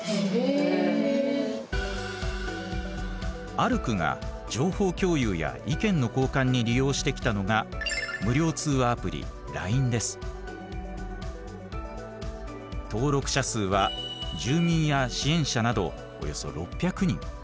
「あるく」が情報共有や意見の交換に利用してきたのが登録者数は住民や支援者などおよそ６００人。